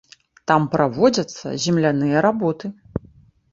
Там праводзяцца земляныя работы.